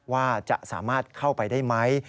ว่าจะสามารถเข้าไปได้ไหม